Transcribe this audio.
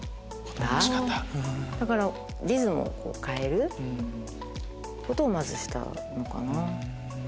リズムを変えることをまずしたのかな。